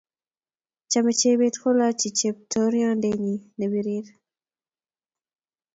Chame chebet kolachi cheptondorienyi ne pirir